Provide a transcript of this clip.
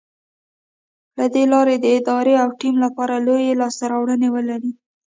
له دې لارې د ادارې او ټيم لپاره لویې لاسته راوړنې ولرئ.